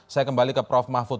saya kembali ke prof mahfud